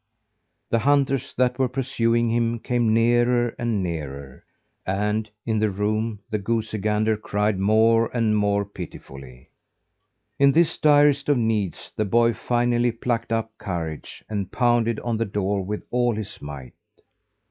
The hunters that were pursuing him came nearer and nearer, and, in the room, the goosey gander cried more and more pitifully. In this direst of needs the boy finally plucked up courage and pounded on the door with all his might.